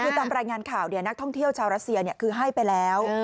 คือตามรายงานข่าวนักท่องเที่ยวชาวรัสเซียคือให้ไปแล้ว